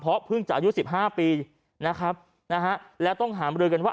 เพราะเพิ่งจะอายุสิบห้าปีนะครับนะฮะแล้วต้องหามรือกันว่า